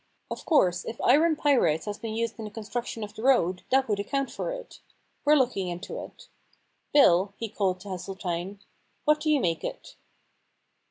Of course if iron pyrites has been used in the construc tion of the road, that would account for it. We're looking into it. Bill,' he called to Hesseltine, * what do you make it